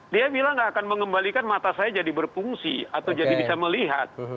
dia bilang gak akan mengembalikan mata saya jadi berfungsi atau jadi bisa melihat